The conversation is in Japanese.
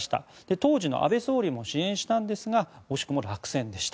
当時の安倍総理も支援したんですが惜しくも落選でした。